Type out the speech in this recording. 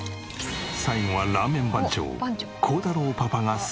最後はラーメン番長耕太郎パパが総仕上げ。